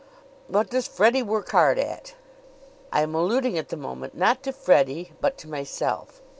"What does Freddie work hard at?" "I am alluding at the moment not to Freddie but to myself.